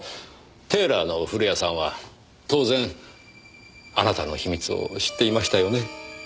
テーラーの古谷さんは当然あなたの秘密を知っていましたよね？